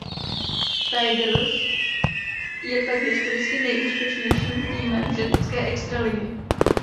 Tigers je tak historicky nejúspěšnějším týmem ženské Extraligy.